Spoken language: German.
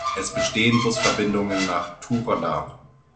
Es bestehen Busverbindungen nach Turda.